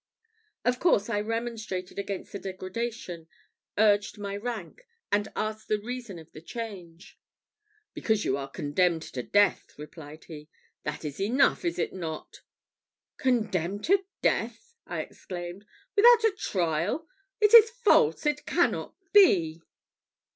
Of course I remonstrated against the degradation, urged my rank, and asked the reason of the change. "Because you are condemned to death," replied he. "That is enough, is not it?" "Condemned to death!" I exclaimed, "without a trial? It is false it cannot be."